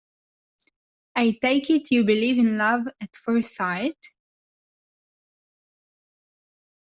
I take it you believe in love at first sight?